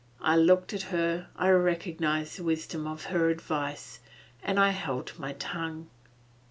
I looked at her, I recognised the wisdom of her advice, and I held my tongue.